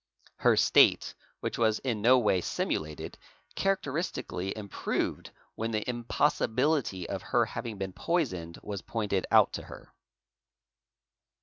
Her state, which was in no way simulated, characteristically improved when the impossibility of her having been poisoned was pointed out to her.